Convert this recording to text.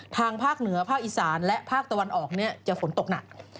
ทางภาคเหนือภาคอีสานและภาคตะวันออกจะฝนตกหนัก